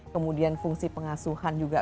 kemudian fungsi pengasuhan juga